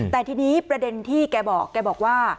แต่ทีนี้ประเด็นที่แกบอกแกบอกว่า